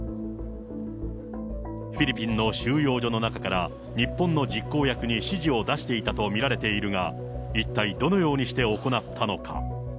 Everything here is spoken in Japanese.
フィリピンの収容所の中から日本の実行役に指示を出していたと見られているが、一体どのようにして行ったのか。